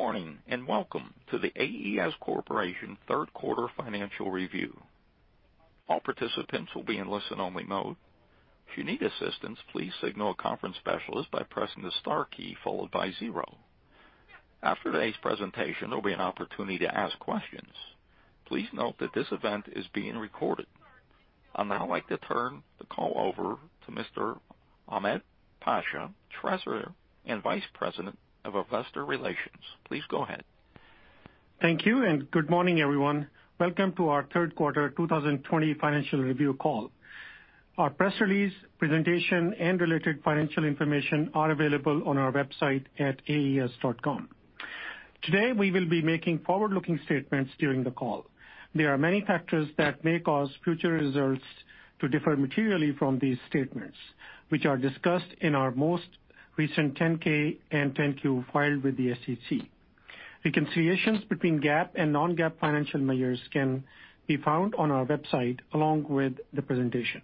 Good morning and welcome to the AES Corporation Q3 Financial Review. All participants will be in listen-only mode. If you need assistance, please signal a conference specialist by pressing the star key followed by zero. After today's presentation, there will be an opportunity to ask questions. Please note that this event is being recorded. I'd now like to turn the call over to Mr. Ahmed Pasha, Treasurer and Vice President of Investor Relations. Please go ahead. Thank you and good morning, everyone. Welcome to our Q3 2020 Financial Review Call. Our press release, presentation, and related financial information are available on our website at aes.com. Today, we will be making forward-looking statements during the call. There are many factors that may cause future results to differ materially from these statements, which are discussed in our most recent 10-K and 10-Q filed with the SEC. Reconciliations between GAAP and non-GAAP financial measures can be found on our website along with the presentation.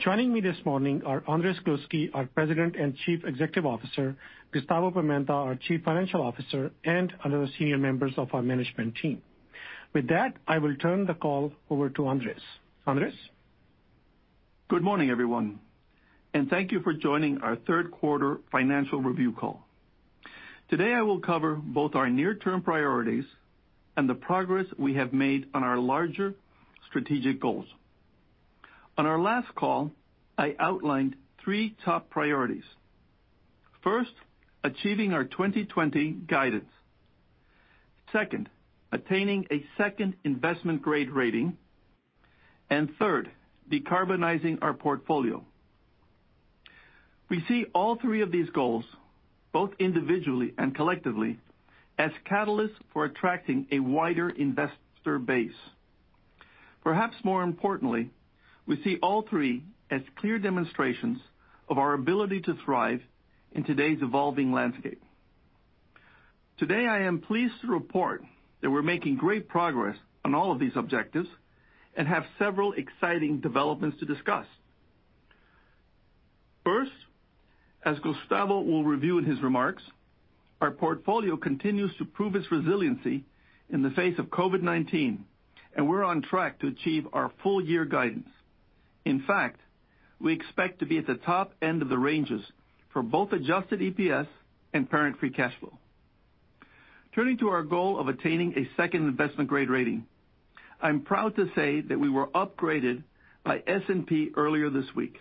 Joining me this morning are Andrés Gluski, our President and Chief Executive Officer; Gustavo Pimenta, our Chief Financial Officer; and other senior members of our management team. With that, I will turn the call over to Andrés. Andrés? Good morning, everyone, and thank you for joining our Q3 Financial Review Call. Today, I will cover both our near-term priorities and the progress we have made on our larger strategic goals. On our last call, I outlined three top priorities. First, achieving our 2020 guidance. Second, attaining a second investment-grade rating. And third, decarbonizing our portfolio. We see all three of these goals, both individually and collectively, as catalysts for attracting a wider investor base. Perhaps more importantly, we see all three as clear demonstrations of our ability to thrive in today's evolving landscape. Today, I am pleased to report that we're making great progress on all of these objectives and have several exciting developments to discuss. First, as Gustavo will review in his remarks, our portfolio continues to prove its resiliency in the face of COVID-19, and we're on track to achieve our full-year guidance. In fact, we expect to be at the top end of the ranges for both Adjusted EPS and Parent Free Cash Flow. Turning to our goal of attaining a second investment grade rating, I'm proud to say that we were upgraded by S&P earlier this week.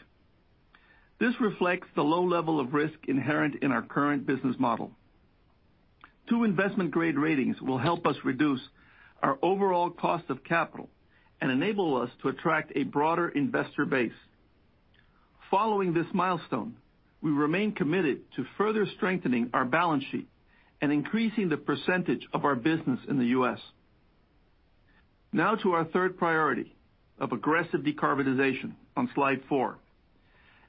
This reflects the low level of risk inherent in our current business model. Two investment grade ratings will help us reduce our overall cost of capital and enable us to attract a broader investor base. Following this milestone, we remain committed to further strengthening our balance sheet and increasing the percentage of our business in the. Now to our third priority of aggressive decarbonization on slide four.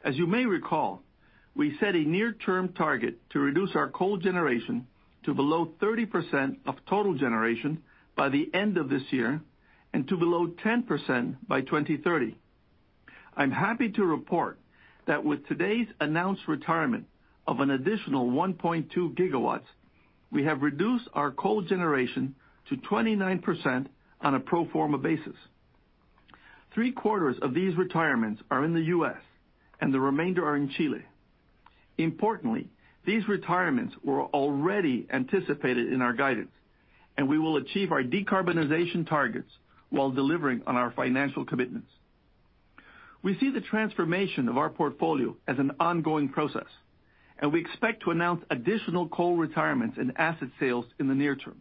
As you may recall, we set a near-term target to reduce our coal generation to below 30% of total generation by the end of this year and to below 10% by 2030. I'm happy to report that with today's announced retirement of an additional 1.2 gigawatts, we have reduced our coal generation to 29% on a pro forma basis. Three quarters of these retirements are in the US, and the remainder are in Chile. Importantly, these retirements were already anticipated in our guidance, and we will achieve our decarbonization targets while delivering on our financial commitments. We see the transformation of our portfolio as an ongoing process, and we expect to announce additional coal retirements and asset sales in the near term.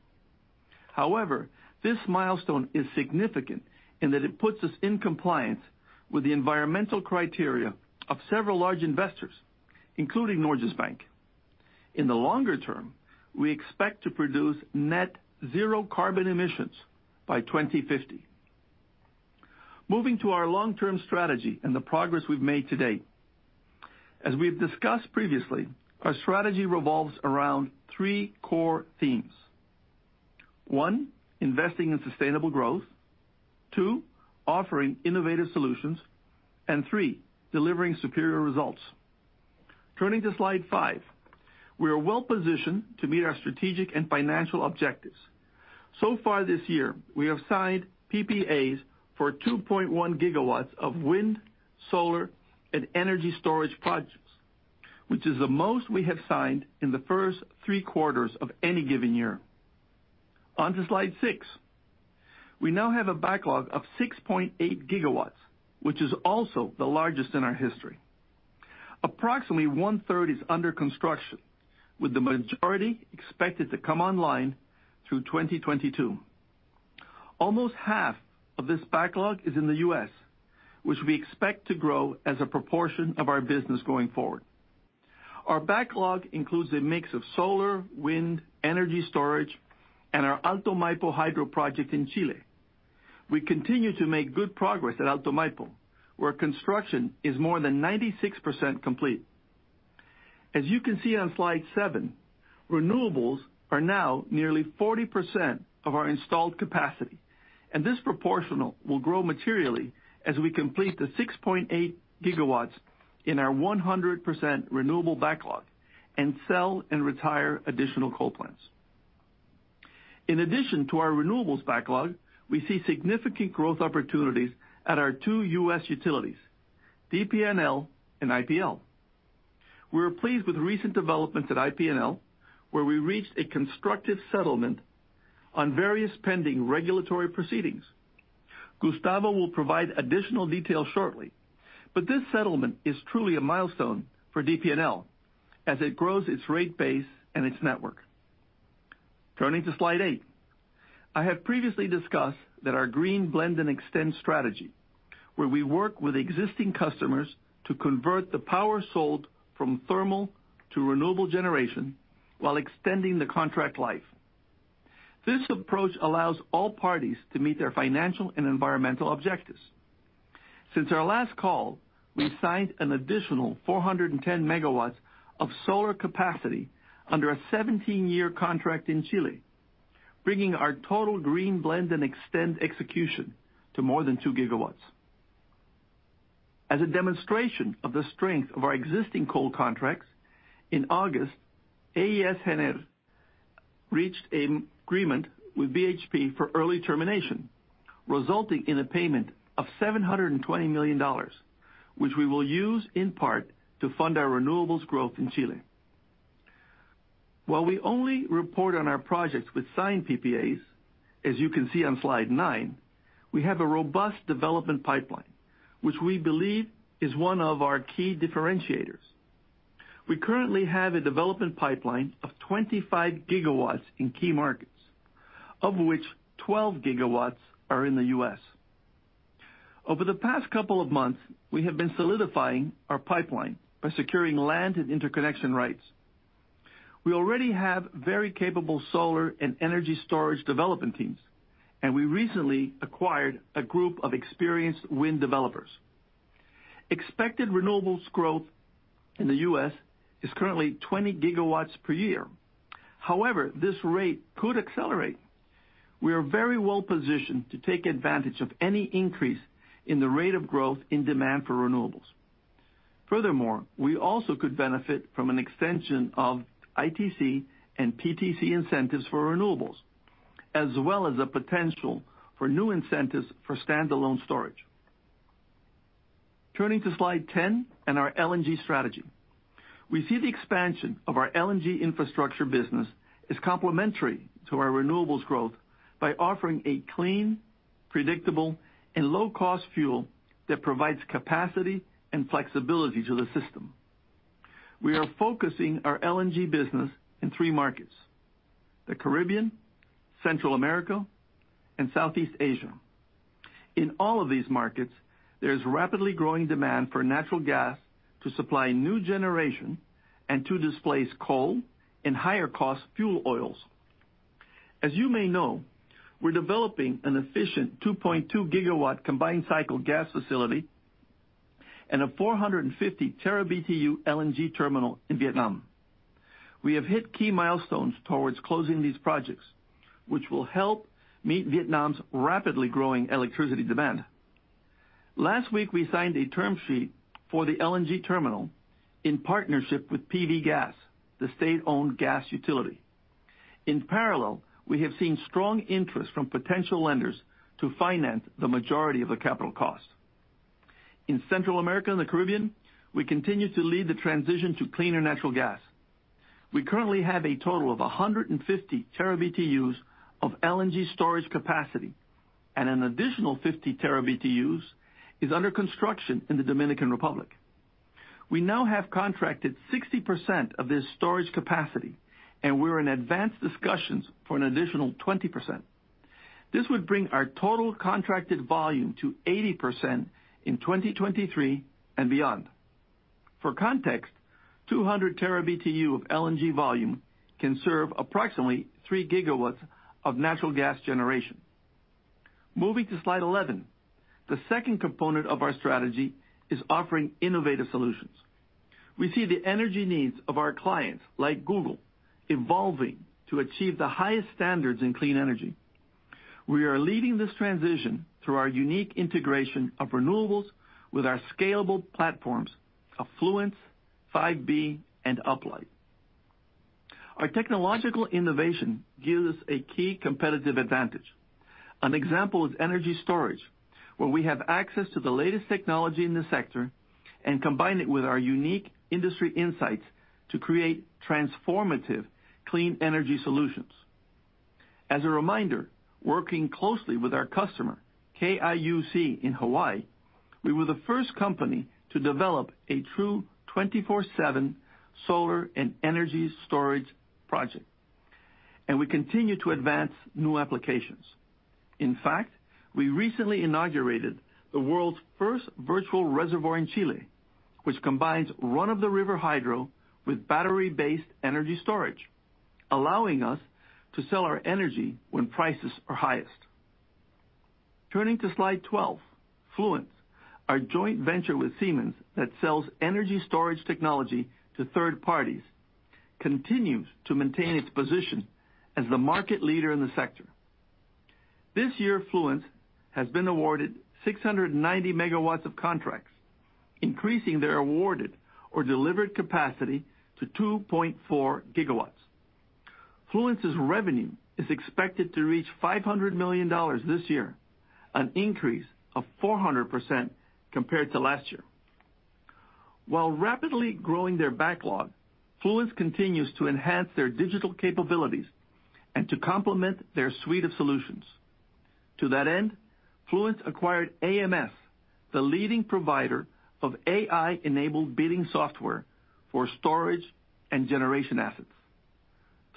However, this milestone is significant in that it puts us in compliance with the environmental criteria of several large investors, including Norges Bank. In the longer term, we expect to produce net zero carbon emissions by 2050. Moving to our long-term strategy and the progress we've made to date. As we've discussed previously, our strategy revolves around three core themes. One, investing in sustainable growth. Two, offering innovative solutions. And three, delivering superior results. Turning to slide five, we are well positioned to meet our strategic and financial objectives. So far this year, we have signed PPAs for 2.1 gigawatts of wind, solar, and energy storage projects, which is the most we have signed in the first three quarters of any given year. Onto slide six. We now have a backlog of 6.8 gigawatts, which is also the largest in our history. Approximately one-third is under construction, with the majority expected to come online through 2022. Almost half of this backlog is in the US, which we expect to grow as a proportion of our business going forward. Our backlog includes a mix of solar, wind, energy storage, and our Hydro project in Chile. We continue to make good progress at Alto Maipo, where construction is more than 96% complete. As you can see on slide seven, renewables are now nearly 40% of our installed capacity, and this proportion will grow materially as we complete the 6.8 gigawatts in our 100% renewable backlog and sell and retire additional coal plants. In addition to our renewables backlog, we see significant growth opportunities at our two US utilities, DP&L and IPL. We're pleased with recent developments at IPL, where we reached a constructive settlement on various pending regulatory proceedings. Gustavo will provide additional details shortly, but this settlement is truly a milestone for DP&L as it grows its rate base and its network. Turning to slide eight, I have previously discussed our Green Blend and Extend strategy, where we work with existing customers to convert the power sold from thermal to renewable generation while extending the contract life. This approach allows all parties to meet their financial and environmental objectives. Since our last call, we signed an additional 410 USs of solar capacity under a 17-year contract in Chile, bringing our total Green Blend and Extend execution to more than two gigawatts. As a demonstration of the strength of our existing coal contracts, in August, AES Gener reached an agreement with BHP for early termination, resulting in a payment of $720 million, which we will use in part to fund our renewables growth in Chile. While we only report on our projects with signed PPAs, as you can see on slide nine, we have a robust development pipeline, which we believe is one of our key differentiators. We currently have a development pipeline of 25 gigawatts in key markets, of which 12 gigawatts are in the U.S. Over the past couple of months, we have been solidifying our pipeline by securing land and interconnection rights. We already have very capable solar and energy storage development teams, and we recently acquired a group of experienced wind developers. Expected renewables growth in the U.S. is currently 20 gigawatts per year. However, this rate could accelerate. We are very well positioned to take advantage of any increase in the rate of growth in demand for renewables. Furthermore, we also could benefit from an extension of ITC and PTC incentives for renewables, as well as the potential for new incentives for standalone storage. Turning to slide 10 and our LNG strategy, we see the expansion of our LNG infrastructure business is complementary to our renewables growth by offering a clean, predictable, and low-cost fuel that provides capacity and flexibility to the system. We are focusing our LNG business in three markets: the Caribbean, Central America, and Southeast Asia. In all of these markets, there is rapidly growing demand for natural gas to supply new generation and to displace coal and higher-cost fuel oils. As you may know, we're developing an efficient 2.2 gigawatt combined cycle gas facility and a 450 TBtu LNG terminal in Vietnam. We have hit key milestones towards closing these projects, which will help meet Vietnam's rapidly growing electricity demand. Last week, we signed a term sheet for the LNG terminal in partnership with PV Gas, the state-owned gas utility. In parallel, we have seen strong interest from potential lenders to finance the majority of the capital cost. In Central America and the Caribbean, we continue to lead the transition to cleaner natural gas. We currently have a total of 150 TBtu of LNG storage capacity, and an additional 50 TBtu is under construction in the Dominican Republic. We now have contracted 60% of this storage capacity, and we're in advanced discussions for an additional 20%. This would bring our total contracted volume to 80% in 2023 and beyond. For context, 200 TBtu of LNG volume can serve approximately three gigawatts of natural gas generation. Moving to slide 11, the second component of our strategy is offering innovative solutions. We see the energy needs of our clients, like Google, evolving to achieve the highest standards in clean energy. We are leading this transition through our unique integration of renewables with our scalable platforms of Fluence, 5B, and Uplight. Our technological innovation gives us a key competitive advantage. An example is energy storage, where we have access to the latest technology in the sector and combine it with our unique industry insights to create transformative clean energy solutions. As a reminder, working closely with our customer, KIUC in Hawaii, we were the first company to develop a true 24/7 solar and energy storage project, and we continue to advance new applications. In fact, we recently inaugurated the world's first virtual reservoir in Chile, which combines run-of-the-river hydro with battery-based energy storage, allowing us to sell our energy when prices are highest. Turning to slide 12, Fluence, our joint venture with Siemens that sells energy storage technology to third parties, continues to maintain its position as the market leader in the sector. This year, Fluence has been awarded 690 of contracts, increasing their awarded or delivered capacity to 2.4 gigawatts. Fluence's revenue is expected to reach $500 million this year, an increase of 400% compared to last year. While rapidly growing their backlog, Fluence continues to enhance their digital capabilities and to complement their suite of solutions. To that end, Fluence acquired AMS, the leading provider of AI-enabled bidding software for storage and generation assets.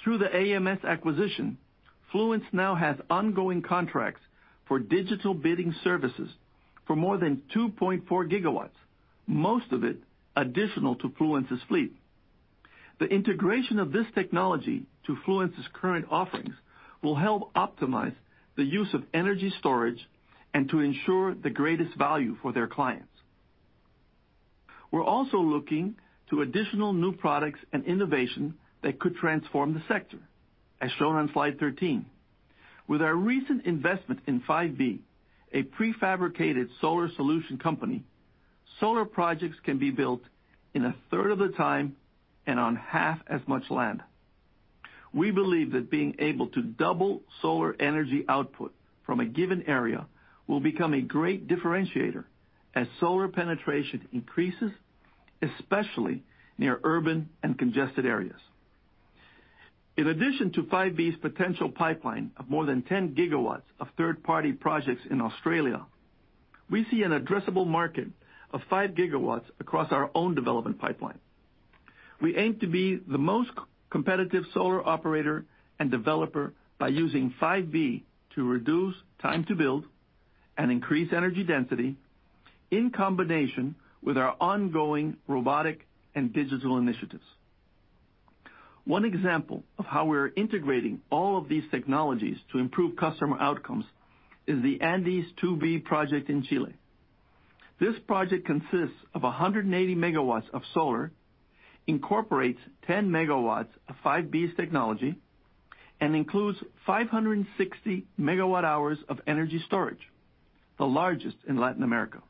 Through the AMS acquisition, Fluence now has ongoing contracts for digital bidding services for more than 2.4 gigawatts, most of it additional to Fluence's fleet. The integration of this technology to Fluence's current offerings will help optimize the use of energy storage and to ensure the greatest value for their clients. We're also looking to additional new products and innovation that could transform the sector, as shown on slide 13. With our recent investment in 5B, a prefabricated solar solution company, solar projects can be built in a third of the time and on half as much land. We believe that being able to double solar energy output from a given area will become a great differentiator as solar penetration increases, especially near urban and congested areas. In addition to 5B's potential pipeline of more than 10 gigawatts of third-party projects in Australia, we see an addressable market of five gigawatts across our own development pipeline. We aim to be the most competitive solar operator and developer by using 5B to reduce time to build and increase energy density in combination with our ongoing robotic and digital initiatives. One example of how we're integrating all of these technologies to improve customer outcomes is the Andes 2B project in Chile. This project consists of 180 MW of solar, incorporates 10 MW of 5B's technology, and includes 560 MW hours of energy storage, the largest in Latin America.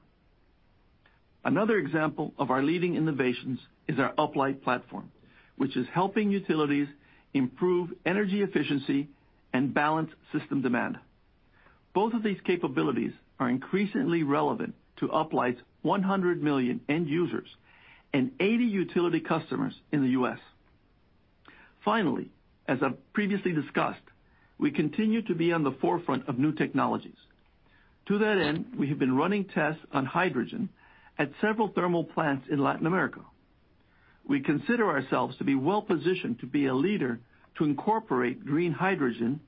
Another example of our leading innovations is our Uplight platform, which is helping utilities improve energy efficiency and balance system demand. Both of these capabilities are increasingly relevant to Uplight's 100 million end users and 80 utility customers in the US Finally, as I've previously discussed, we continue to be on the forefront of new technologies. To that end, we have been running tests on hydrogen at several thermal plants in Latin America. We consider ourselves to be well positioned to be a leader to incorporate green hydrogen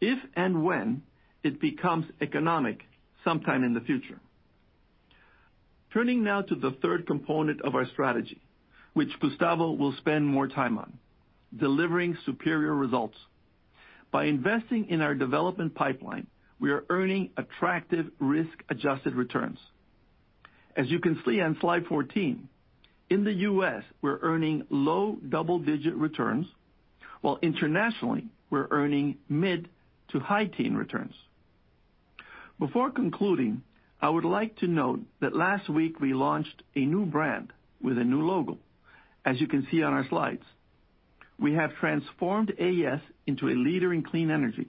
if and when it becomes economic sometime in the future. Turning now to the third component of our strategy, which Gustavo will spend more time on, delivering superior results. By investing in our development pipeline, we are earning attractive risk-adjusted returns. As you can see on slide 14, in the US, we're earning low double-digit returns, while internationally, we're earning mid to high-teens returns. Before concluding, I would like to note that last week we launched a new brand with a new logo. As you can see on our slides, we have transformed AES into a leader in clean energy,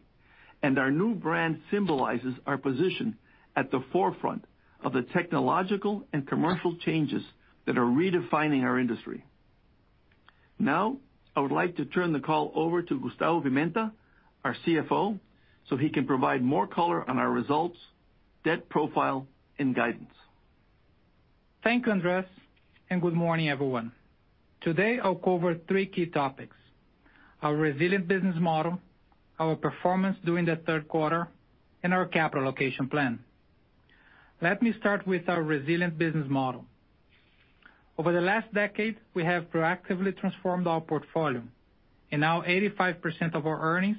and our new brand symbolizes our position at the forefront of the technological and commercial changes that are redefining our industry. Now, I would like to turn the call over to Gustavo Pimenta, our CFO, so he can provide more color on our results, debt profile, and guidance. Thank you, Andrés, and good morning, everyone. Today, I'll cover three key topics: our resilient business model, our performance during the Q3, and our capital allocation plan. Let me start with our resilient business model. Over the last decade, we have proactively transformed our portfolio, and now 85% of our earnings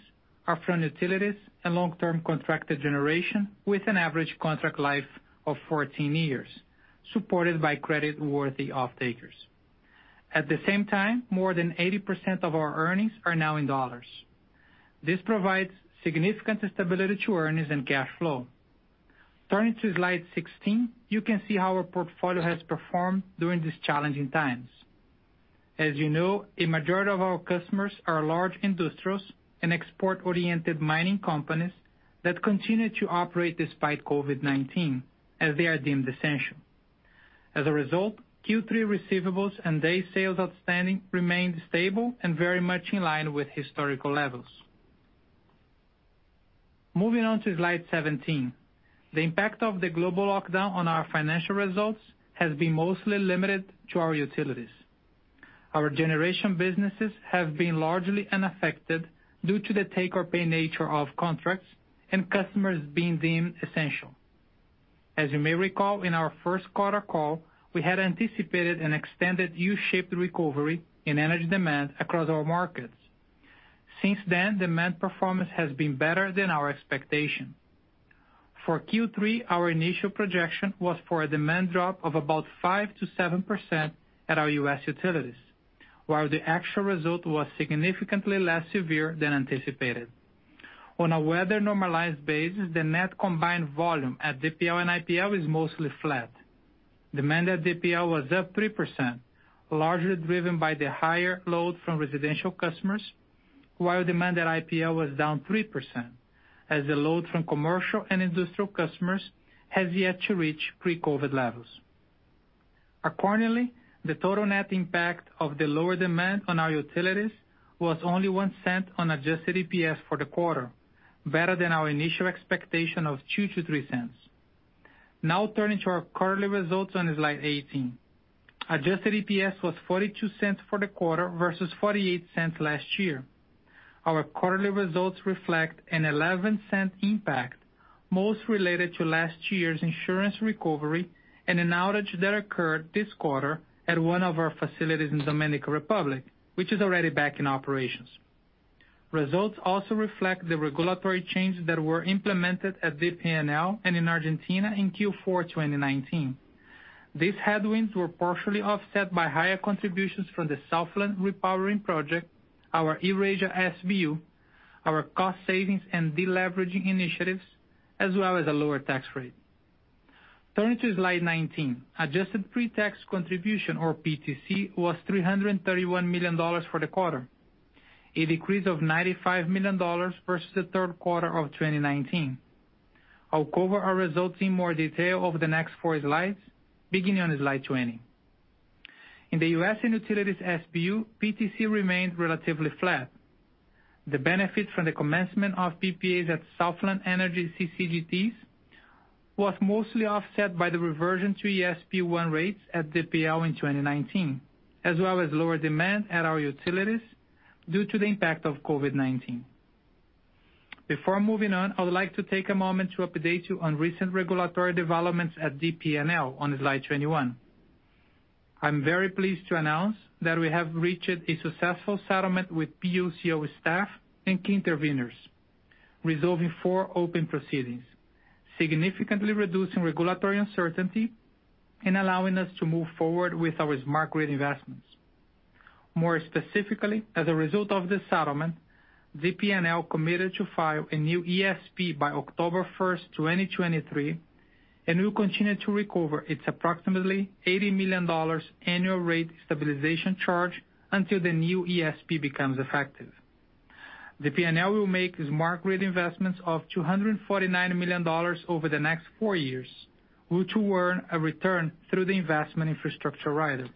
are from utilities and long-term contracted generation with an average contract life of 14 years, supported by creditworthy off-takers. At the same time, more than 80% of our earnings are now in dollars. This provides significant stability to earnings and cash flow. Turning to slide 16, you can see how our portfolio has performed during these challenging times. As you know, a majority of our customers are large industrials and export-oriented mining companies that continue to operate despite COVID-19, as they are deemed essential. As a result, Q3 receivables and day sales outstanding remained stable and very much in line with historical levels. Moving on to slide 17, the impact of the global lockdown on our financial results has been mostly limited to our utilities. Our generation businesses have been largely unaffected due to the take-or-pay nature of contracts and customers being deemed essential. As you may recall, in our first quarter call, we had anticipated an extended U-shaped recovery in energy demand across our markets. Since then, demand performance has been better than our expectation. For Q3, our initial projection was for a demand drop of about 5%-7% at our US utilities, while the actual result was significantly less severe than anticipated. On a weather-normalized basis, the net combined volume at DPL and IPL is mostly flat. Demand at DPL was up 3%, largely driven by the higher load from residential customers, while demand at IPL was down 3%, as the load from commercial and industrial customers has yet to reach pre-COVID levels. Accordingly, the total net impact of the lower demand on our utilities was only $0.01 on adjusted EPS for the quarter, better than our initial expectation of $0.02-0.03. Now, turning to our quarterly results on slide 18, adjusted EPS was $0.42 for the quarter versus $0.48 last year. Our quarterly results reflect a $0.11 impact, most related to last year's insurance recovery and an outage that occurred this quarter at one of our facilities in the Dominican Republic, which is already back in operations. Results also reflect the regulatory changes that were implemented at DP&L and in Argentina in Q4 2019. These headwinds were partially offset by higher contributions from the Southland Repowering Project, our Eurasia SBU, our cost savings and deleveraging initiatives, as well as a lower tax rate. Turning to slide 19, adjusted pretax contribution, or PTC, was $331 million for the quarter, a decrease of $95 million versus the Q3 of 2019. I'll cover our results in more detail over the next four slides, beginning on slide 20. In the U.S. and utilities SBU, PTC remained relatively flat. The benefit from the commencement of PPAs at Southland Energy CCGTs was mostly offset by the reversion to ESP1 rates at DPL in 2019, as well as lower demand at our utilities due to the impact of COVID-19. Before moving on, I would like to take a moment to update you on recent regulatory developments at DP&L on slide 21. I'm very pleased to announce that we have reached a successful settlement with PUCO staff and key intervenors, resolving four open proceedings, significantly reducing regulatory uncertainty and allowing us to move forward with our smart grid investments. More specifically, as a result of this settlement, DP&L committed to file a new ESP by 1 October 2023, and will continue to recover its approximately $80 million annual rate stabilization charge until the new ESP becomes effective. DP&L will make smart grid investments of $249 million over the next four years, which will earn a return through the investment infrastructure rider.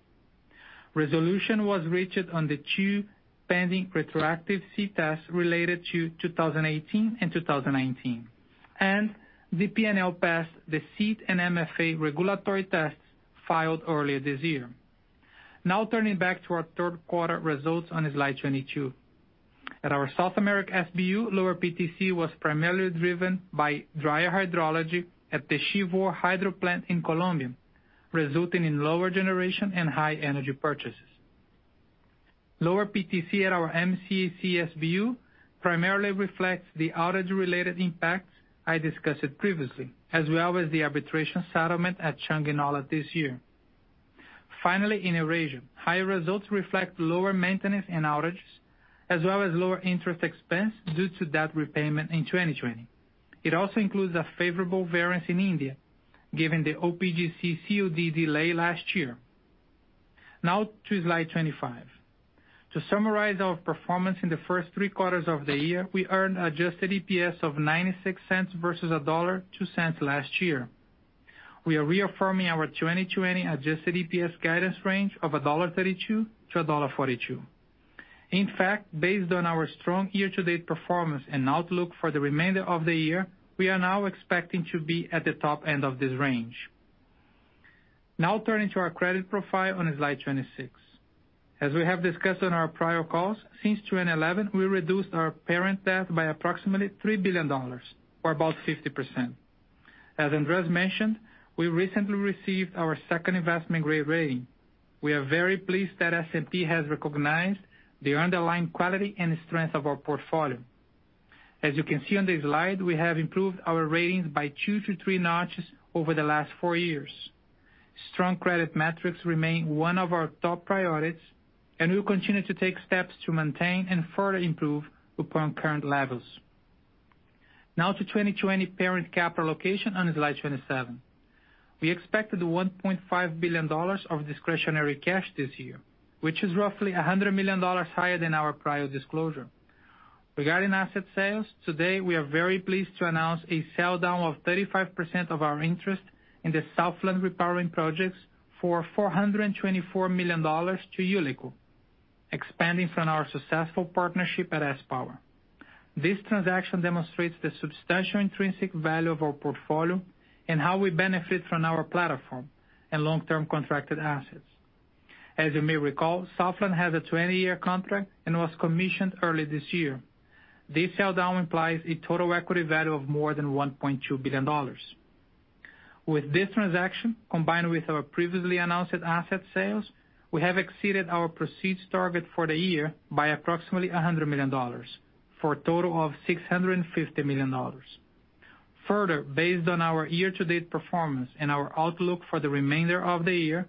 Resolution was reached on the two pending retroactive related to 2018 and 2019, and DP&L passed the SEET and MRO regulatory tests filed earlier this year. Now, turning back to our Q3 results on slide 22. At our South American SBU, lower PTC was primarily driven by drier hydrology at the Chivor Hydro plant in Colombia, resulting in lower generation and high energy purchases. Lower PTC at our MCAC SBU primarily reflects the outage-related impacts I discussed previously, as well as the arbitration settlement at Changuinola this year. Finally, in Eurasia, higher results reflect lower maintenance and outages, as well as lower interest expense due to debt repayment in 2020. It also includes a favorable variance in India, given the OPGC COD delay last year. Now, to slide 25. To summarize our performance in the first three quarters of the year, we earned adjusted EPS of $0.96 versus $1.02 last year. We are reaffirming our 2020 adjusted EPS guidance range of $1.32-1.42. In fact, based on our strong year-to-date performance and outlook for the remainder of the year, we are now expecting to be at the top end of this range. Now, turning to our credit profile on slide 26. As we have discussed on our prior calls, since 2011, we reduced our parent debt by approximately $3 billion, or about 50%. As Andrés mentioned, we recently received our second investment-grade rating. We are very pleased that S&P has recognized the underlying quality and strength of our portfolio. As you can see on this slide, we have improved our ratings by two to three notches over the last four years. Strong credit metrics remain one of our top priorities, and we will continue to take steps to maintain and further improve upon current levels. Now, to 2020 parent capital allocation on slide 27. We expected $1.5 billion of discretionary cash this year, which is roughly $100 million higher than our prior disclosure. Regarding asset sales, today, we are very pleased to announce a sell down of 35% of our interest in the Southland Repowering Projects for $424 million to Ullico, expanding from our successful partnership at sPower. This transaction demonstrates the substantial intrinsic value of our portfolio and how we benefit from our platform and long-term contracted assets. As you may recall, Southland has a 20-year contract and was commissioned early this year. This sell down implies a total equity value of more than $1.2 billion. With this transaction, combined with our previously announced asset sales, we have exceeded our proceeds target for the year by approximately $100 million, for a total of $650 million. Further, based on our year-to-date performance and our outlook for the remainder of the year,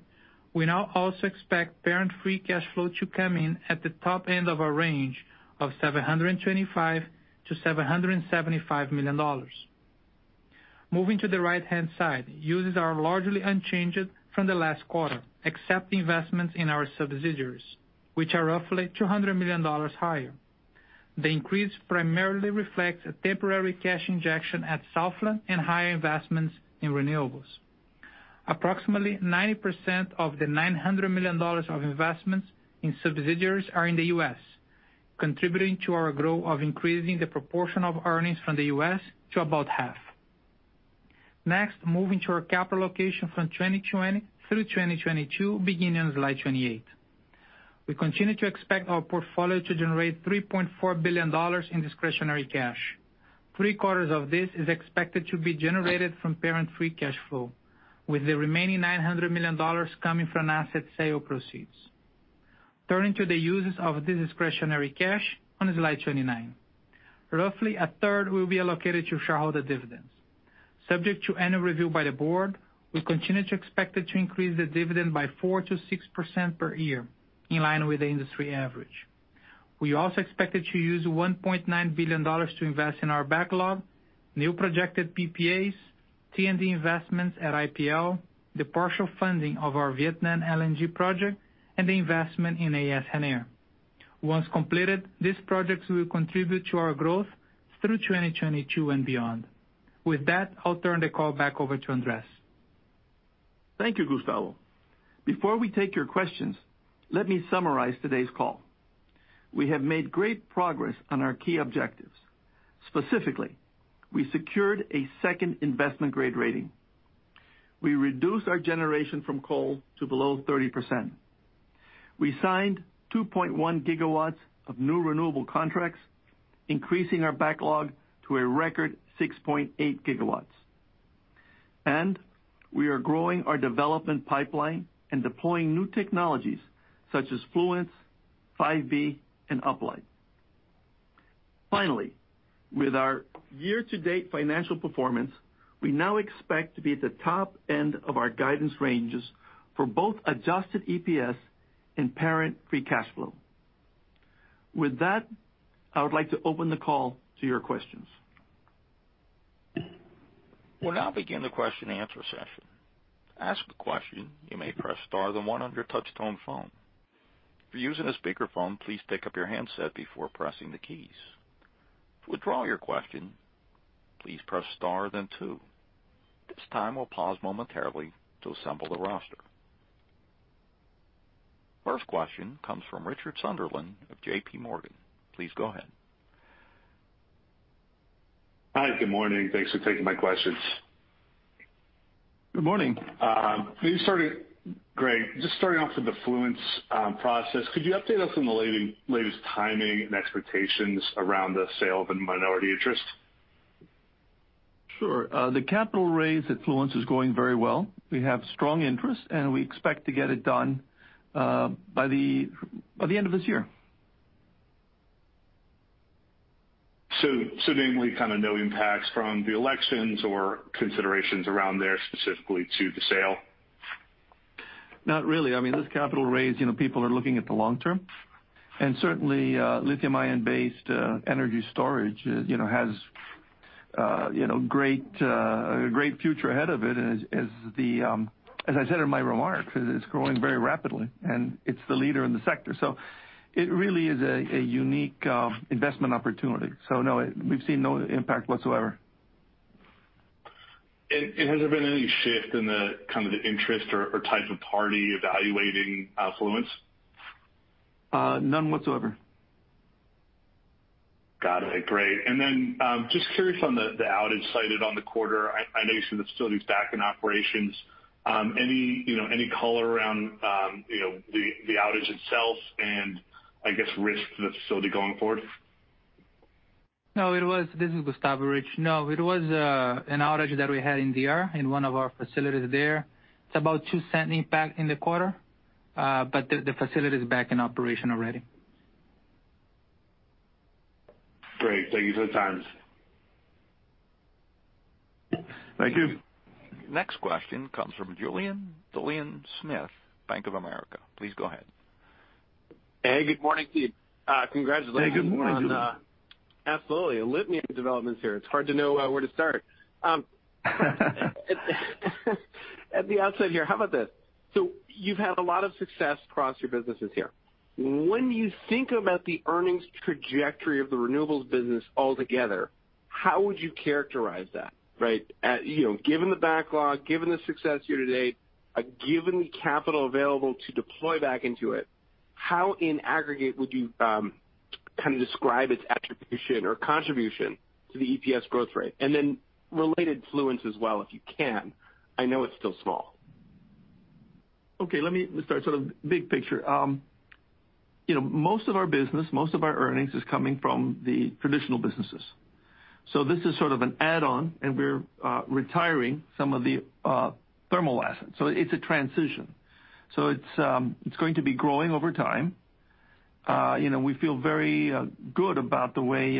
we now also expect Parent Free Cash Flow to come in at the top end of our range of $725-775 million. Moving to the right-hand side, uses are largely unchanged from the last quarter, except investments in our subsidiaries, which are roughly $200 million higher. The increase primarily reflects a temporary cash injection at Southland and higher investments in renewables. Approximately 90% of the $900 million of investments in subsidiaries are in the US, contributing to our growth of increasing the proportion of earnings from the U.S. to about half. Next, moving to our capital allocation from 2020 through 2022, beginning on Slide 28. We continue to expect our portfolio to generate $3.4 billion in discretionary cash. Three quarters of this is expected to be generated from cash flow, with the remaining $900 million coming from asset sale proceeds. Turning to the uses of this discretionary cash on slide 29. Roughly a third will be allocated to shareholder dividends. Subject to any review by the board, we continue to expect it to increase the dividend by 4%-6% per year, in line with the industry average. We also expect it to use $1.9 billion to invest in our backlog, new projected PPAs, T&D investments at IPL, the partial funding of our Vietnam LNG project, and the investment in AES Haina. Once completed, these projects will contribute to our growth through 2022 and beyond. With that, I'll turn the call back over to Andrés. Thank you, Gustavo. Before we take your questions, let me summarize today's call. We have made great progress on our key objectives. Specifically, we secured a second investment-grade rating. We reduced our generation from coal to below 30%. We signed 2.1 gigawatts of new renewable contracts, increasing our backlog to a record 6.8 gigawatts. And we are growing our development pipeline and deploying new technologies such as Fluence, 5B, and Uplight. Finally, with our year-to-date financial performance, we now expect to be at the top end of our guidance ranges for both adjusted EPS and Parent Free Cash Flow. With that, I would like to open the call to your questions. We'll now begin the question-and-answer session. To ask a question, you may press star then one on your touch-tone phone. If you're using a speakerphone, please pick up your handset before pressing the keys. To withdraw your question, please press star then two. At this time, we'll pause momentarily to assemble the roster. First question comes from Richard Sunderland of J.P. Morgan. Please go ahead. Hi, good morning. Thanks for taking my questions. Good morning. Great. Just starting off with the Fluence process, could you update us on the latest timing and expectations around the sale of a minority interest? Sure. The capital raise at Fluence is going very well. We have strong interest, and we expect to get it done by the end of this year. So namely, kind of no impacts from the elections or considerations around there specifically to the sale? Not really. I mean, this capital raise, people are looking at the long term. And certainly, lithium-ion-based energy storage has a great future ahead of it, as I said in my remarks. It's growing very rapidly, and it's the leader in the sector. So it really is a unique investment opportunity. So no, we've seen no impact whatsoever. And has there been any shift in the kind of the interest or type of party evaluating Fluence? None whatsoever. Got it. Great. And then just curious on the outage cited on the quarter. I know you said the facility's back in operations. Any color around the outage itself and, I guess, risk to the facility going forward? No, this is Gustavo Pimenta. No, it was an outage that we had in DR in one of our facilities there. It's about $0.02 impact in the quarter, but the facility is back in operation already. Great. Thank you for the time. Thank you. Next question comes from Julien Dumoulin-Smith, Bank of America. Please go ahead. Hey, good morning, Steve. Congratulations on. Hey, good morning, Julian. Absolutely. Litany of developments here. It's hard to know where to start. At the outset here, how about this? So you've had a lot of success across your businesses here. When you think about the earnings trajectory of the renewables business altogether, how would you characterize that? Right? Given the backlog, given the success year-to-date, given the capital available to deploy back into it, how in aggregate would you kind of describe its attribution or contribution to the EPS growth rate? And then related to Fluence as well, if you can. I know it's still small. Okay. Let me start. So the big picture. Most of our business, most of our earnings is coming from the traditional businesses. So this is sort of an add-on, and we're retiring some of the thermal assets. So it's a transition. So it's going to be growing over time. We feel very good about the way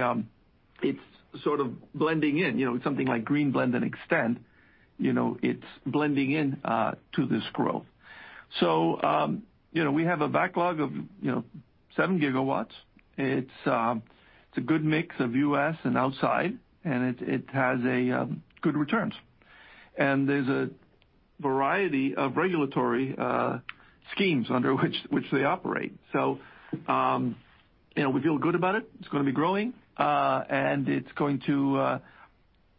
it's sort of blending in. It's something like Green Blend and Extend. It's blending in to this growth. So we have a backlog of seven gigawatts. It's a good mix of U.S. and outside, and it has good returns. And there's a variety of regulatory schemes under which they operate. So we feel good about it. It's going to be growing, and it's going to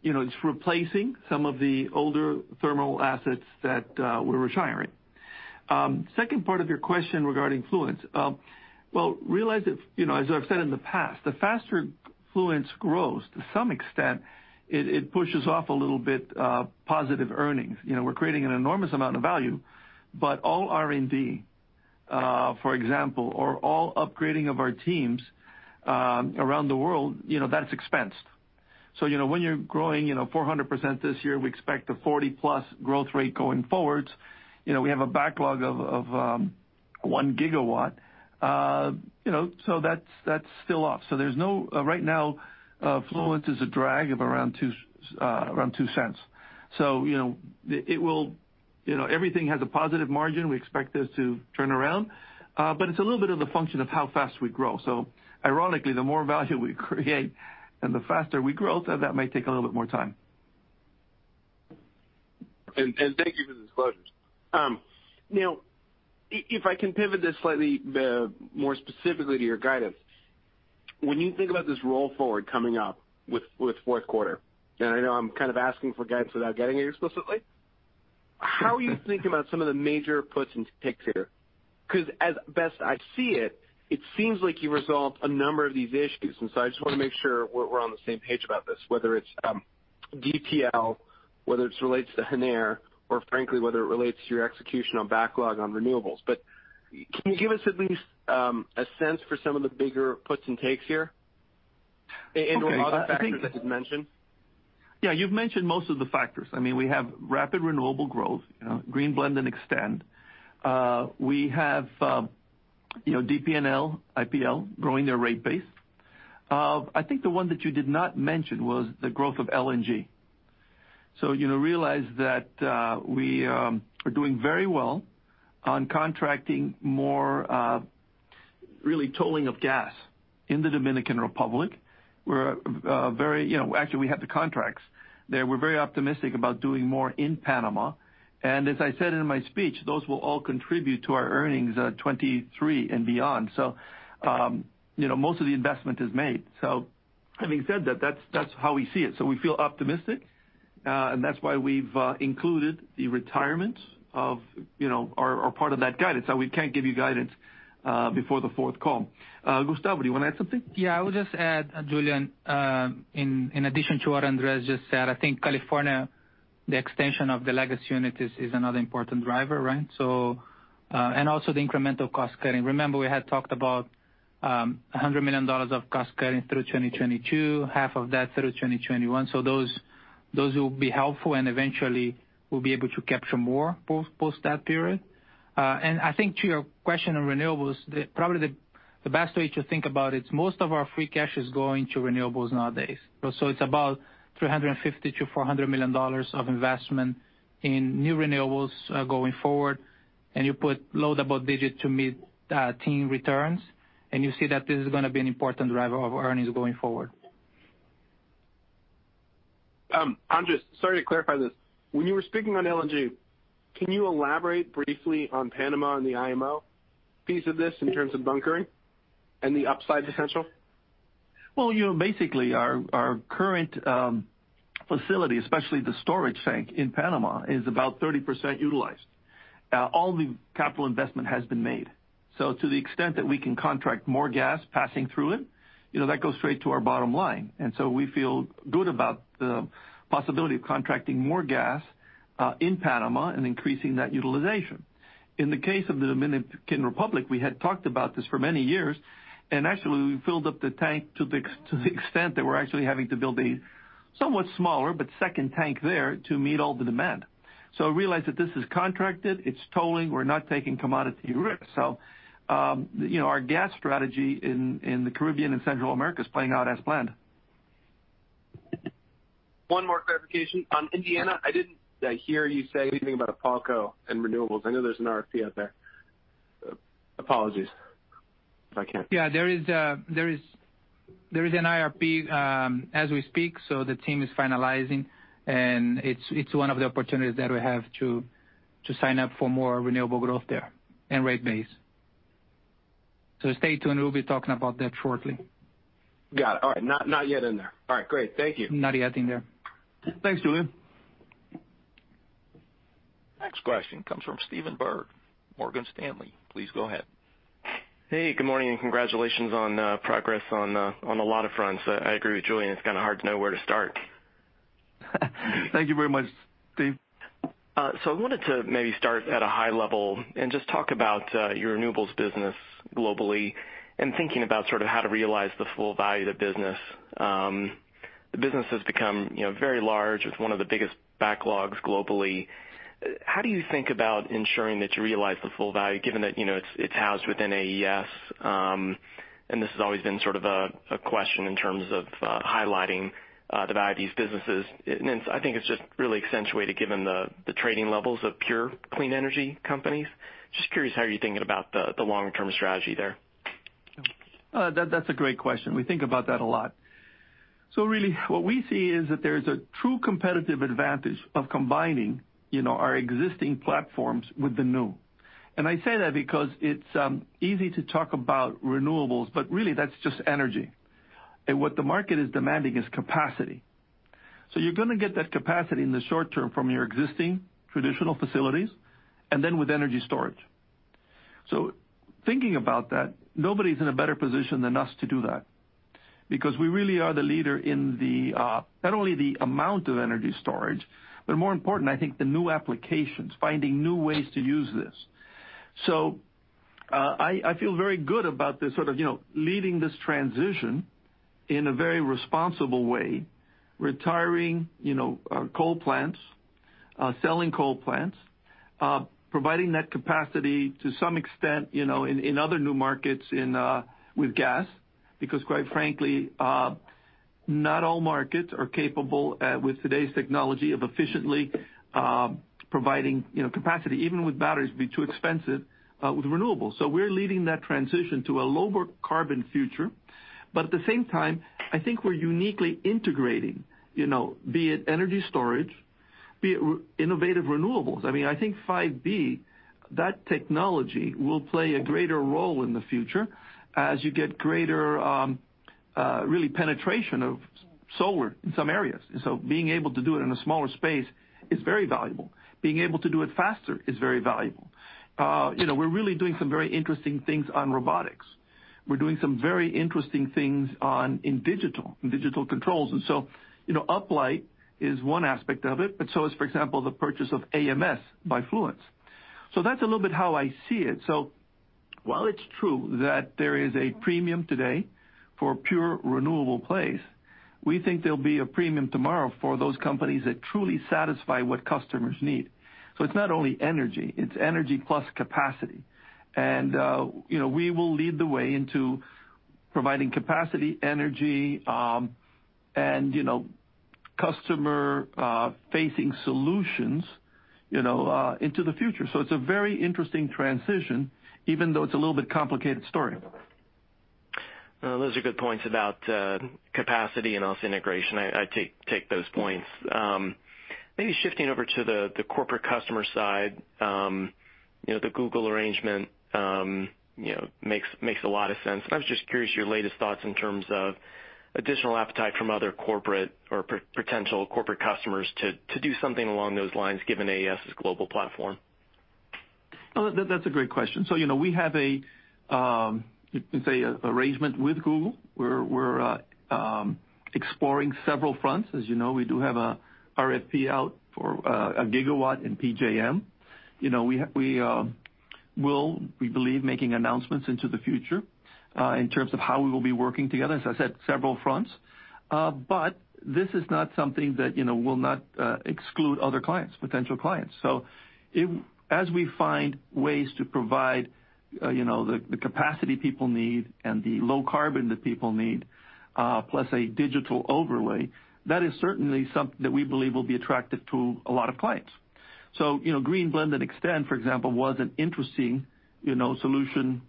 be replacing some of the older thermal assets that we're retiring. Second part of your question regarding Fluence, well, realize that, as I've said in the past, the faster Fluence grows, to some extent, it pushes off a little bit positive earnings. We're creating an enormous amount of value, but all R&D, for example, or all upgrading of our teams around the world, that's expensed, so when you're growing 400% this year, we expect a 40-plus% growth rate going forward. We have a backlog of 1 gigawatt, so that's still off, so right now, Fluence is a drag of around $0.02, so everything has a positive margin. We expect this to turn around, but it's a little bit of the function of how fast we grow, so ironically, the more value we create and the faster we grow, that may take a little bit more time, and thank you for the disclosures. Now, if I can pivot this slightly more specifically to your guidance, when you think about this roll forward coming up with Q4, and I know I'm kind of asking for guidance without getting it explicitly, how are you thinking about some of the major puts and takes here? Because as best I see it, it seems like you've resolved a number of these issues. And so I just want to make sure we're on the same page about this, whether it's DP&L, whether it relates to Haina, or frankly, whether it relates to your execution on backlog on renewables. But can you give us at least a sense for some of the bigger puts and takes here? And other factors that you've mentioned? Yeah. You've mentioned most of the factors. I mean, we have rapid renewable growth, Green Blend and Extend. We have DP&L, IPL, growing their rate base. I think the one that you did not mention was the growth of LNG. So realize that we are doing very well on contracting more, really tolling of gas in the Dominican Republic. Actually, we had the contracts. They were very optimistic about doing more in Panama. And as I said in my speech, those will all contribute to our 2023 earnings and beyond. So most of the investment is made. So having said that, that's how we see it. So we feel optimistic, and that's why we've included the retirement of or part of that guidance. So we can't give you guidance before the fourth call. Gustavo, do you want to add something? Yeah. I would just add, Julien, in addition to what Andrés just said, I think California, the extension of the legacy unit is another important driver, right? And also the incremental cost cutting. Remember, we had talked about $100 million of cost cutting through 2022, half of that through 2021. Those will be helpful, and eventually, we'll be able to capture more post that period. I think to your question on renewables, probably the best way to think about it is most of our free cash is going to renewables nowadays. It's about $350-400 million of investment in new renewables going forward, and you put low double digit to mid-teen returns, and you see that this is going to be an important driver of earnings going forward. Andrés, sorry to clarify this. When you were speaking on LNG, can you elaborate briefly on Panama and the IMO piece of this in terms of bunkering and the upside potential? Well, basically, our current facility, especially the storage tank in Panama, is about 30% utilized. All the capital investment has been made. So to the extent that we can contract more gas passing through it, that goes straight to our bottom line. And so we feel good about the possibility of contracting more gas in Panama and increasing that utilization. In the case of the Dominican Republic, we had talked about this for many years, and actually, we filled up the tank to the extent that we're actually having to build a somewhat smaller but second tank there to meet all the demand. So realize that this is contracted. It's tolling. We're not taking commodity risk. So our gas strategy in the Caribbean and Central America is playing out as planned. One more clarification. On Indiana, I didn't hear you say anything about IPALCO and renewables. I know there's an RFP out there. Apologies if I can't. Yeah. There is an IRP as we speak. So the team is finalizing, and it's one of the opportunities that we have to sign up for more renewable growth there and rate base. So stay tuned. We'll be talking about that shortly. Got it. All right. Not yet in there. All right. Great. Thank you. Not yet in there. Thanks, Julian. Next question comes from Stephen Byrd, Morgan Stanley. Please go ahead. Hey, good morning, and congratulations on progress on a lot of fronts. I agree with Julian. It's kind of hard to know where to start. Thank you very much, Steve. So I wanted to maybe start at a high level and just talk about your renewables business globally and thinking about sort of how to realize the full value of the business. The business has become very large with one of the biggest backlogs globally. How do you think about ensuring that you realize the full value, given that it's housed within AES? And this has always been sort of a question in terms of highlighting the value of these businesses. And I think it's just really accentuated given the trading levels of pure clean energy companies. Just curious how you're thinking about the longer-term strategy there. That's a great question. We think about that a lot. So really, what we see is that there is a true competitive advantage of combining our existing platforms with the new. And I say that because it's easy to talk about renewables, but really, that's just energy. And what the market is demanding is capacity. So you're going to get that capacity in the short term from your existing traditional facilities and then with energy storage. So thinking about that, nobody's in a better position than us to do that because we really are the leader in not only the amount of energy storage, but more important, I think, the new applications, finding new ways to use this. So I feel very good about this sort of leading this transition in a very responsible way, retiring coal plants, selling coal plants, providing that capacity to some extent in other new markets with gas because, quite frankly, not all markets are capable with today's technology of efficiently providing capacity; even with batteries would be too expensive with renewables. So we're leading that transition to a lower carbon future. But at the same time, I think we're uniquely integrating, be it energy storage, be it innovative renewables. I mean, I think 5B, that technology will play a greater role in the future as you get greater, really, penetration of solar in some areas, and so being able to do it in a smaller space is very valuable. Being able to do it faster is very valuable. We're really doing some very interesting things on robotics. We're doing some very interesting things in digital controls, and so Uplight is one aspect of it, but so is, for example, the purchase of AMS by Fluence. That's a little bit how I see it, so while it's true that there is a premium today for pure renewable plays, we think there'll be a premium tomorrow for those companies that truly satisfy what customers need. It's not only energy. It's energy plus capacity, and we will lead the way into providing capacity, energy, and customer-facing solutions into the future. So it's a very interesting transition, even though it's a little bit complicated story. Those are good points about capacity and also integration. I take those points. Maybe shifting over to the corporate customer side, the Google arrangement makes a lot of sense. And I was just curious your latest thoughts in terms of additional appetite from other corporate or potential corporate customers to do something along those lines given AES's global platform. That's a great question. So we have a, you can say, arrangement with Google. We're exploring several fronts. As you know, we do have an RFP out for a gigawatt in PJM. We will, we believe, make announcements into the future in terms of how we will be working together. As I said, several fronts. But this is not something that will not exclude other clients, potential clients. So as we find ways to provide the capacity people need and the low carbon that people need, plus a digital overlay, that is certainly something that we believe will be attractive to a lot of clients. So Green Blend and Extend, for example, was an interesting solution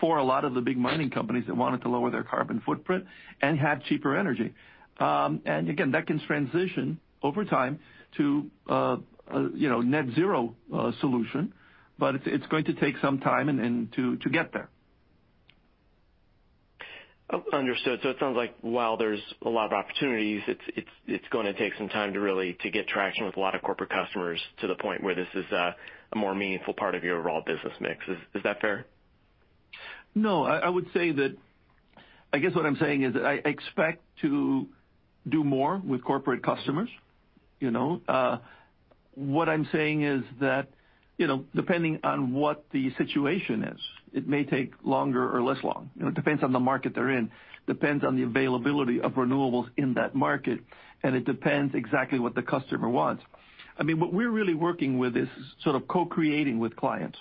for a lot of the big mining companies that wanted to lower their carbon footprint and have cheaper energy. And again, that can transition over time to a net zero solution, but it's going to take some time to get there. Understood. So it sounds like while there's a lot of opportunities, it's going to take some time to really get traction with a lot of corporate customers to the point where this is a more meaningful part of your overall business mix. Is that fair? No. I would say that I guess what I'm saying is that I expect to do more with corporate customers. What I'm saying is that depending on what the situation is, it may take longer or less long. It depends on the market they're in. It depends on the availability of renewables in that market, and it depends exactly what the customer wants. I mean, what we're really working with is sort of co-creating with clients,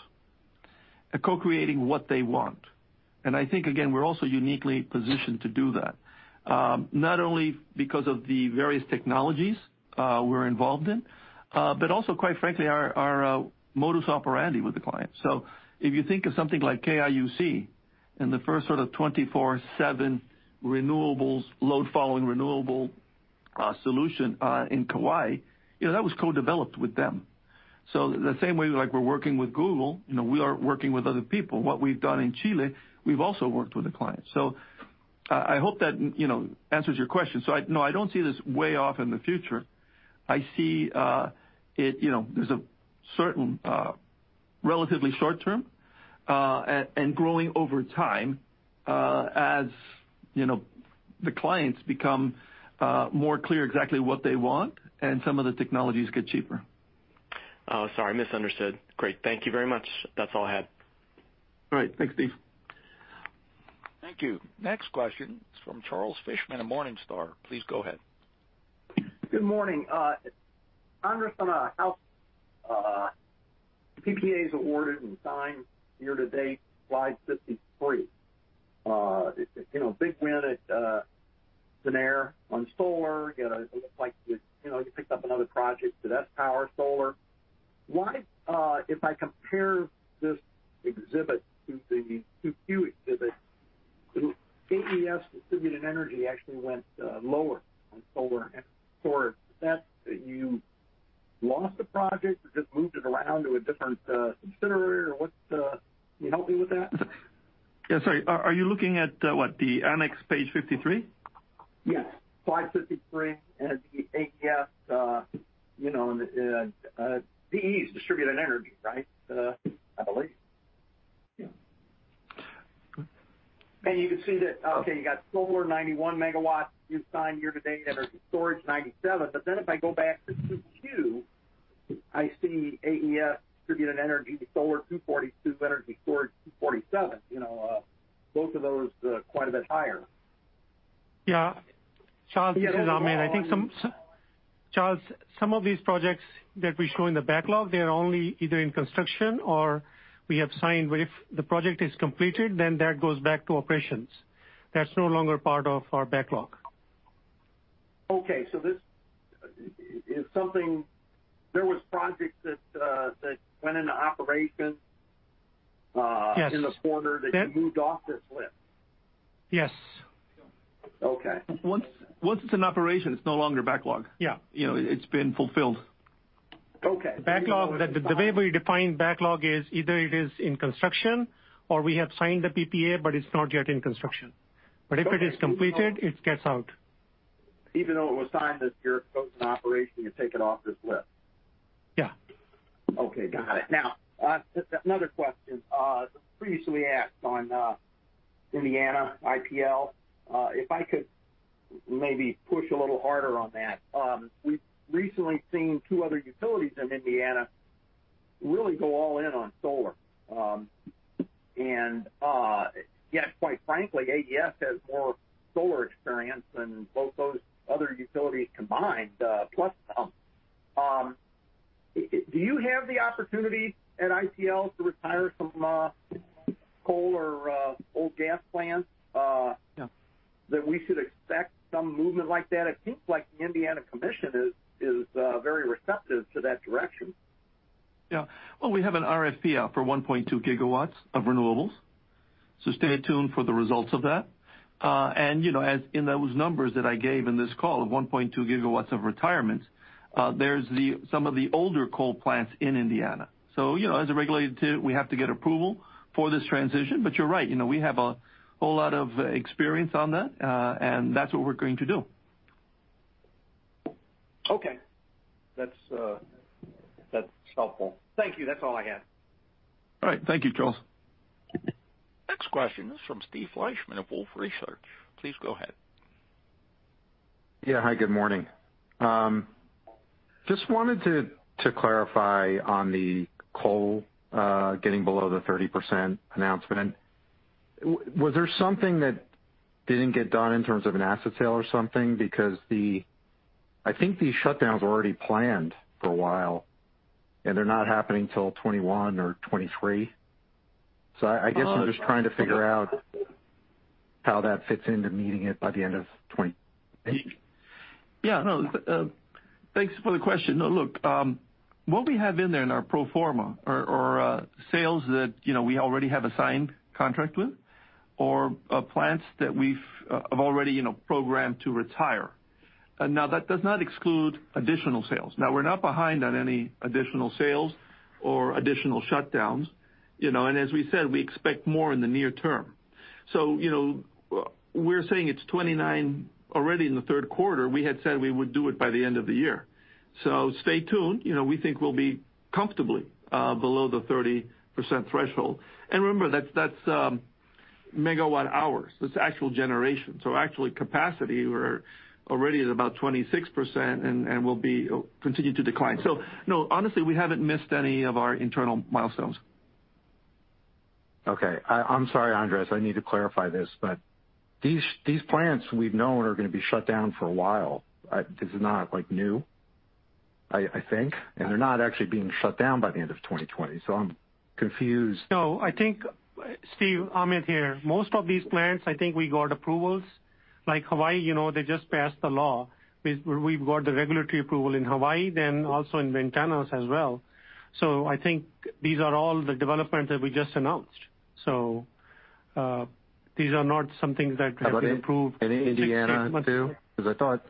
co-creating what they want, and I think, again, we're also uniquely positioned to do that, not only because of the various technologies we're involved in, but also, quite frankly, our modus operandi with the client. So if you think of something like KIUC and the first sort of 24/7 load-following renewable solution in Kauai, that was co-developed with them, so the same way we're working with Google, we are working with other people. What we've done in Chile, we've also worked with the client. So I hope that answers your question. So no, I don't see this way off in the future. I see it as a certain relatively short term and growing over time as the clients become more clear exactly what they want and some of the technologies get cheaper. Oh, sorry. Misunderstood. Great. Thank you very much. That's all I had. All right. Thanks, Steve. Thank you. Next question is from Charles Fishman of Morningstar. Please go ahead. Good morning. Andrés, on how AES PPA is awarded and signed year-to-date, slide 53. Big win at Haina on solar. It looks like you picked up another project to sPower Solar. If I compare this exhibit to the two exhibits, AES Distributed Energy actually went lower on solar. So you lost the project or just moved it around to a different subsidiary? Can you help me with that? Yeah. Sorry. Are you looking at what, the annex page 53? Yes. Slide 53 and the AES DE is Distributed Energy, right? I believe. Yeah. And you can see that, okay, you got solar 91 MW new signed year-to-date energy storage 97. But then if I go back to 2Q, I see AES Distributed Energy solar 242, energy storage 247. Both of those are quite a bit higher. Yeah. Charles is on me. I think, Charles, some of these projects that we show in the backlog, they're only either in construction or we have signed. If the project is completed, then that goes back to operations. That's no longer part of our backlog. Okay. So there were projects that went into operation in the quarter that you moved off this list. Yes. Once it's in operation, it's no longer backlog. Yeah. It's been fulfilled. The way we define backlog is either it is in construction or we have signed the PPA, but it's not yet in construction. But if it is completed, it gets out. Even though it was signed this year, it goes into operation, you take it off this list. Yeah. Okay. Got it. Now, another question. Previously, we asked on Indiana, IPL. If I could maybe push a little harder on that. We've recently seen two other utilities in Indiana really go all in on solar. And yet, quite frankly, AES has more solar experience than both those other utilities combined, plus some. Do you have the opportunity at IPL to retire some coal or old gas plants that we should expect some movement like that? It seems like the Indiana Commission is very receptive to that direction. Yeah. Well, we have an RFP out for 1.2 gigawatts of renewables. So stay tuned for the results of that. And in those numbers that I gave in this call of 1.2 gigawatts of retirement, there's some of the older coal plants in Indiana. So as a regulator, we have to get approval for this transition. But you're right. We have a whole lot of experience on that, and that's what we're going to do. Okay. That's helpful. Thank you. That's all I had. All right. Thank you, Charles. Next question is from Steve Fleishman of Wolfe Research. Please go ahead. Yeah. Hi. Good morning. Just wanted to clarify on the coal getting below the 30% announcement. Was there something that didn't get done in terms of an asset sale or something? Because I think these shutdowns were already planned for a while, and they're not happening till 2021 or 2023. So I guess I'm just trying to figure out how that fits into meeting it by the end of 2028. Yeah. No. Thanks for the question. Look, what we have in there in our pro forma are sales that we already have a signed contract with or plants that we've already programmed to retire. Now, that does not exclude additional sales. Now, we're not behind on any additional sales or additional shutdowns. And as we said, we expect more in the near term. So we're saying it's 29% already in the Q3. We had said we would do it by the end of the year. So stay tuned. We think we'll be comfortably below the 30% threshold. And remember, that's MW hours. That's actual generation. So actually, capacity we're already at about 26% and will continue to decline. So no, honestly, we haven't missed any of our internal milestones. Okay. I'm sorry, Andrés. I need to clarify this. But these plants we've known are going to be shut down for a while. This is not new, I think. And they're not actually being shut down by the end of 2020. So I'm confused. No. I think, Steve, I'm in here. Most of these plants, I think we got approvals. Like Hawaii, they just passed the law. We've got the regulatory approval in Hawaii, then also in Ventanas as well. So I think these are all the developments that we just announced. So these are not some things that have been approved. And Indiana too? Because I thought.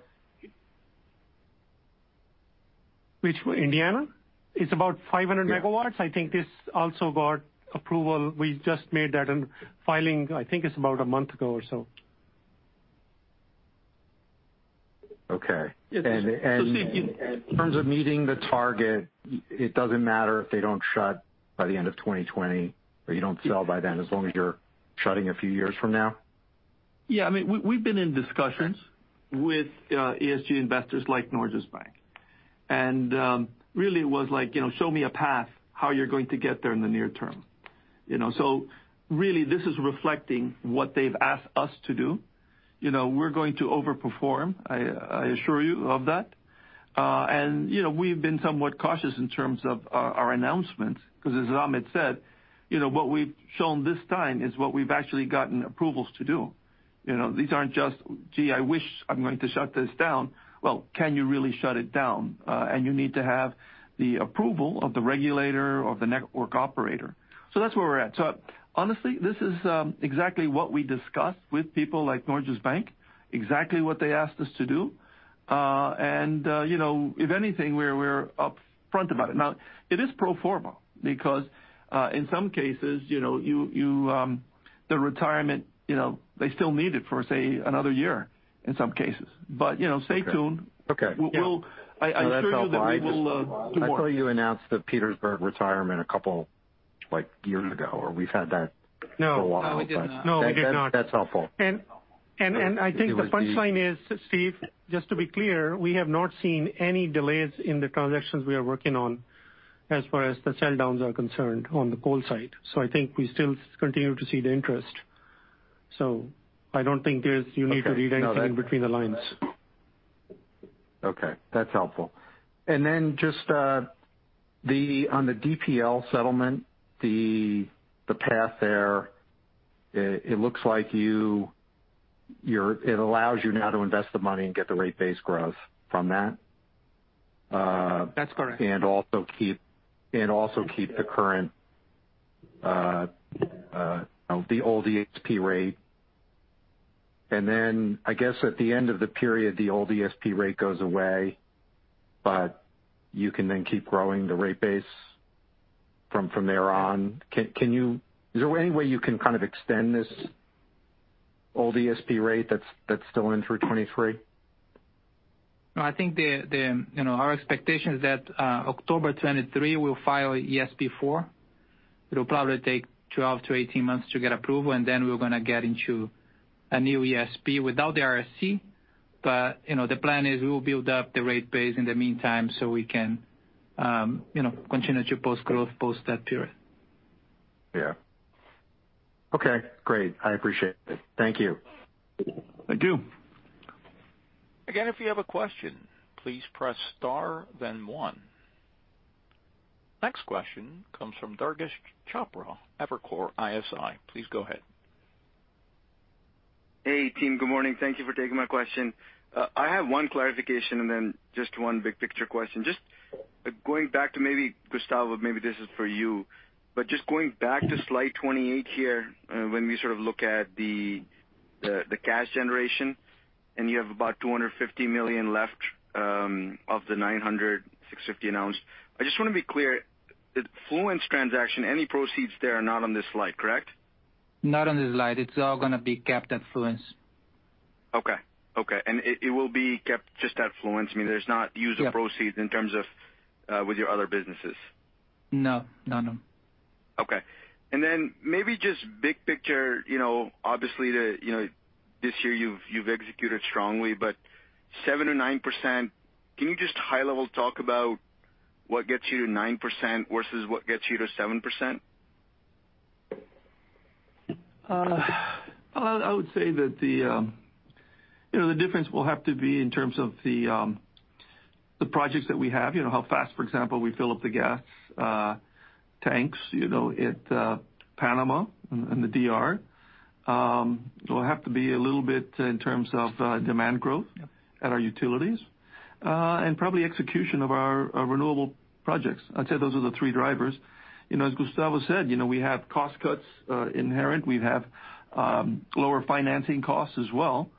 Which one? Indiana? It's about 500 MW. I think this also got approval. We just made that filing, I think it's about a month ago or so. Okay. And in terms of meeting the target, it doesn't matter if they don't shut by the end of 2020 or you don't sell by then as long as you're shutting a few years from now? Yeah. I mean, we've been in discussions with ESG investors like Norges Bank. And really, it was like, "Show me a path how you're going to get there in the near term." So really, this is reflecting what they've asked us to do. We're going to overperform. I assure you of that. We've been somewhat cautious in terms of our announcements because, as Ahmed said, what we've shown this time is what we've actually gotten approvals to do. These aren't just, "Gee, I wish I'm going to shut this down." Well, can you really shut it down? And you need to have the approval of the regulator or the network operator. So that's where we're at. So honestly, this is exactly what we discussed with people like Norges Bank, exactly what they asked us to do. And if anything, we're upfront about it. Now, it is pro forma because in some cases, the retirement, they still need it for, say, another year in some cases. But stay tuned. I assure you that we will. I saw you announce the Petersburg retirement a couple of years ago, or we've had that for a while in the past. No. We did not. That's helpful. And I think the punchline is, Steve, just to be clear, we have not seen any delays in the transactions we are working on as far as the sell-downs are concerned on the coal side. So I think we still continue to see the interest. So I don't think there's any need to read anything in between the lines. Okay. That's helpful. And then just on the DP&L settlement, the path there, it looks like it allows you now to invest the money and get the rate base growth from that. That's correct. And also keep the current, the old ESP rate. And then I guess at the end of the period, the old ESP rate goes away, but you can then keep growing the rate base from there on. Is there any way you can kind of extend this old ESP rate that's still in through 2023? I think our expectation is that October 2023, we'll file ESP 4. It'll probably take 12-18 months to get approval, and then we're going to get into a new ESP without the RSC. But the plan is we will build up the rate base in the meantime so we can continue to post growth post that period. Yeah. Okay. Great. I appreciate it. Thank you. Thank you. Again, if you have a question, please press star, then one. Next question comes from Durgesh Chopra, Evercore ISI. Please go ahead. Hey, team. Good morning. Thank you for taking my question. I have one clarification and then just one big picture question. Just going back to maybe Gustavo, maybe this is for you, but just going back to Slide 28 here when we sort of look at the cash generation, and you have about $250 million left of the $900-$650 million announced. I just want to be clear. The Fluence transaction, any proceeds there are not on this slide, correct? Not on this slide. It's all going to be kept at Fluence. Okay. Okay. And it will be kept just at Fluence. I mean, there's not use of proceeds in terms of with your other businesses. No. No, no. Okay. And then maybe just big picture, obviously, this year you've executed strongly, but 7% or 9%, can you just high-level talk about what gets you to 9% versus what gets you to 7%? I would say that the difference will have to be in terms of the projects that we have, how fast, for example, we fill up the gas tanks at Panama and the DR. It will have to be a little bit in terms of demand growth at our utilities and probably execution of our renewable projects. I'd say those are the three drivers. As Gustavo said, we have cost cuts inherent. We have lower financing costs as well.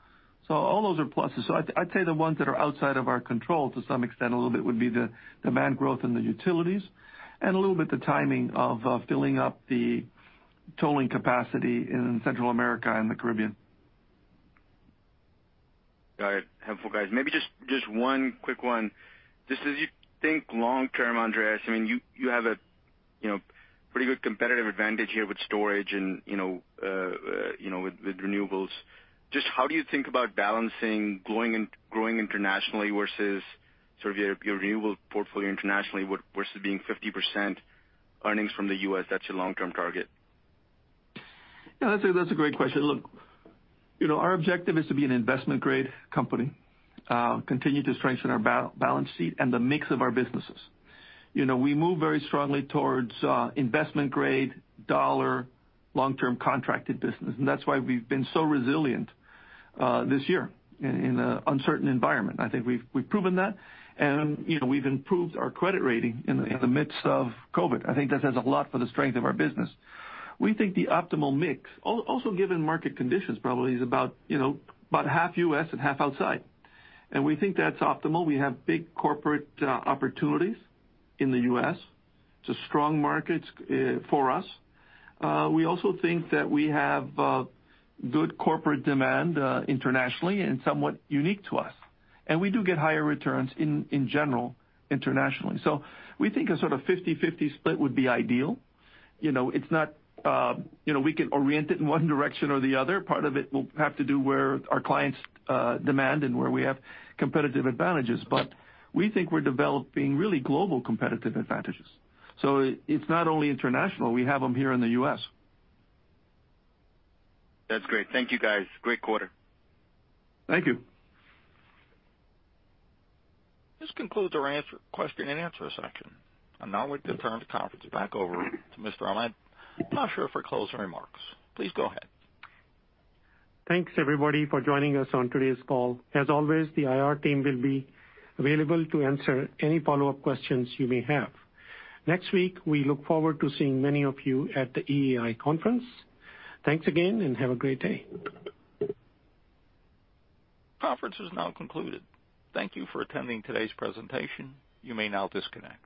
So all those are pluses. So I'd say the ones that are outside of our control to some extent, a little bit, would be the demand growth in the utilities and a little bit the timing of filling up the tolling capacity in Central America and the Caribbean. Got it. Helpful, guys. Maybe just one quick one. Just as you think long-term, Andrés, I mean, you have a pretty good competitive advantage here with storage and with renewables. Just how do you think about balancing growing internationally versus sort of your renewable portfolio internationally versus being 50% earnings from the US? That's your long-term target. Yeah. That's a great question. Look, our objective is to be an investment-grade company, continue to strengthen our balance sheet and the mix of our businesses. We move very strongly towards investment-grade, dollar, long-term contracted business. And that's why we've been so resilient this year in an uncertain environment. I think we've proven that. And we've improved our credit rating in the midst of COVID. I think that says a lot for the strength of our business. We think the optimal mix, also given market conditions, probably is about half U.S. and half outside. And we think that's optimal. We have big corporate opportunities in the U.S. It's a strong market for us. We also think that we have good corporate demand internationally and somewhat unique to us. And we do get higher returns in general internationally. So we think a sort of 50/50 split would be ideal. It's not that we can orient it in one direction or the other. Part of it will have to do with our clients' demand and where we have competitive advantages. But we think we're developing really global competitive advantages. So it's not only international. We have them here in the US That's great. Thank you, guys. Great quarter. Thank you. This concludes our question and answer section. And now we'll turn the conference back over to Mr. Ahmed. I'm not sure if we have closing remarks. Please go ahead. Thanks, everybody, for joining us on today's call. As always, the IR team will be available to answer any follow-up questions you may have. Next week, we look forward to seeing many of you at the EEI conference. Thanks again, and have a great day. Conference is now concluded. Thank you for attending today's presentation. You may now disconnect.